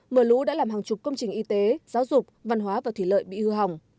mưa lũ đã làm hàng chục công trình y tế giáo dục văn hóa và thủy lợi bị hư hỏng